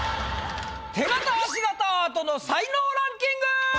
手形足形アートの才能ランキング！